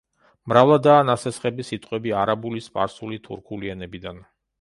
მრავლადაა ნასესხები სიტყვები არაბული, სპარსული, თურქული ენებიდან.